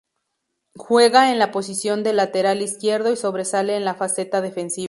Juega en la posición de lateral izquierdo y sobresale en la faceta defensiva.